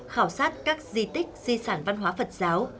khảo sát các di tích di sản văn hóa phật giáo